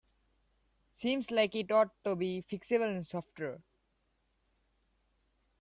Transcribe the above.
Seems like it ought to be fixable in software.